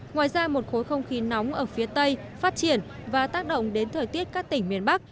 ngoài ra một khối không khí nóng ở phía tây phát triển và tác động đến thời tiết các tỉnh miền bắc